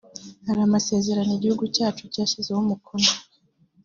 Hari amasezerano igihugu cyacu cyashyizeho umukono